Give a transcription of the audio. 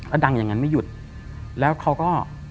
แล้วดังอย่างนั้นไม่หยุดแล้วเขาก็